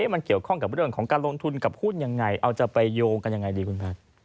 มันเกี่ยวข้องกับเรื่องของการลงทุนกับหุ้นยังไงเอาจะไปโยงกันยังไงดีคุณแพทย์